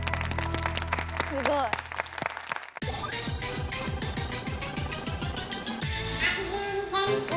すごい。お！